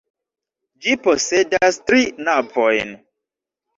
Ĝi posedas tri navojn.